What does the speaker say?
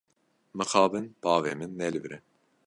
Mixabin bavê min ne li vir e.